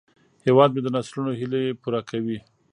هیواد مې د نسلونو هیلې پوره کوي